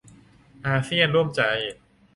อาเซียนร่วมใจ